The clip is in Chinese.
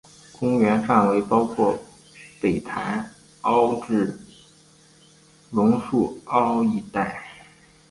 公园范围包括北潭凹至榕树澳一带。